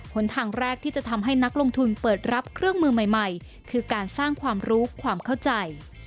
หนทางแรกที่จะทำให้นักลงทุนเปิดรับเครื่องมือใหม่คือการสร้างความรู้ความเข้าใจ